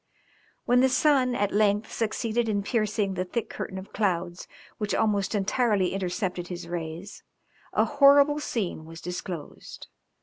When the sun at length succeeded in piercing the thick curtain of clouds which almost entirely intercepted his rays, a horrible scene was disclosed.